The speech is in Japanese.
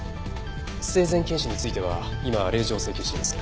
生前検視については今令状を請求しています。